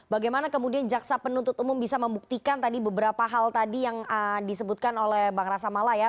bagaimana kemudian jaksa penuntut umum bisa membuktikan tadi beberapa hal tadi yang disebutkan oleh bang rasa mala ya